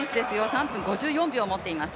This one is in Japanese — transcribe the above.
３分５４秒持っています。